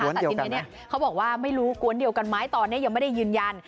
แต่ทีนี้เขาบอกว่าไม่รู้กวนเดียวกันไหมตอนนี้ยังไม่ได้ยืนยัน